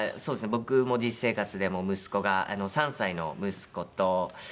僕も実生活でも息子が３歳の息子と。